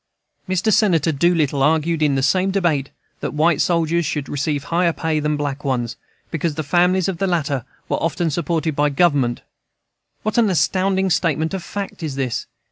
Mr. Senator Doolittle argued in the same debate that white soldiers should receive higher pay than black ones, because the families of the latter were often supported by Government What an astounding statement of fact is this!